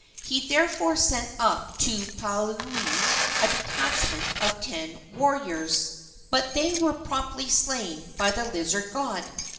He therefore sent up to Paliuli a detachment of ten warriors, but they were promptly slain by the lizard god.